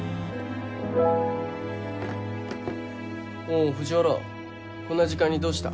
お藤原こんな時間にどうした？